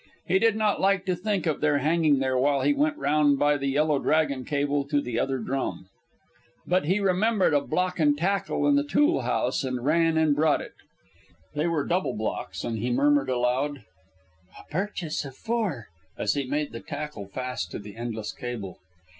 And he did not like to think of their hanging there while he went round by the Yellow Dragon cable to the other drum. But he remembered a block and tackle in the tool house, and ran and brought it. They were double blocks, and he murmured aloud, "A purchase of four," as he made the tackle fast to the endless cable.